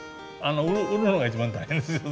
売るのが一番大変ですよ